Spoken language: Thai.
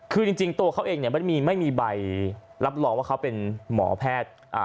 คือจริงตัวเขาเองเนี่ยไม่มีใบรับรองว่าเขาเป็นหมอแพทย์